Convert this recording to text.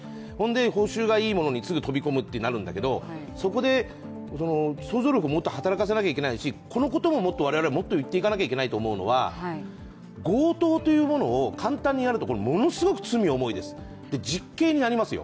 報酬がいいものにすぐ飛び込むとなるんだけれども、そこで想像力をもっと働かせなきゃいけないしこのことももっと我々はもっと言っていかなければいけないのは強盗というものを簡単にやるとものすごく罪、重いです、実刑になりますよ。